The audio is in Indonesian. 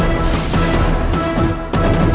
aku sudah berhenti